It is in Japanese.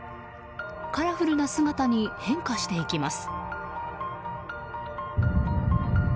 カラフルな姿に変化していきます。